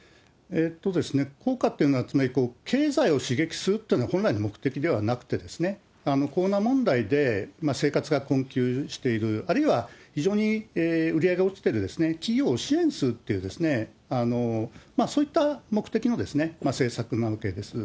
効果っていうのは、つまり経済を刺激するっていうのは本来の目的ではなくて、コロナ問題で生活が困窮している、あるいは非常に売り上げが落ちている企業を支援するっていう、そういった目的の政策なわけです。